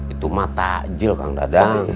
itu mata ajil kang dadang